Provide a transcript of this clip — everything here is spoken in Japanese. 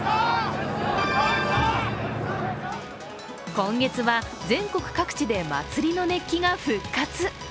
今月は全国各地で祭りの熱気が復活。